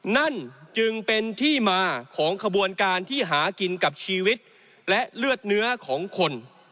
นั่นจึงเป็นที่มาของขบวนการที่หากินกับชีวิตและเลือดเนื้อของคน